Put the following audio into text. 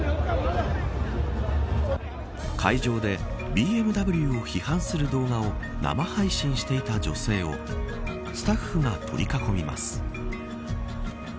会場でＢＭＷを批判する動画を生配信していた女性をスタッフが取り囲みます。